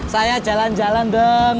saya jalan jalan dong